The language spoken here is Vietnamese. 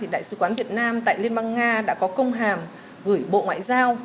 đại sứ quán việt nam tại liên bang nga đã có công hàm gửi bộ ngoại giao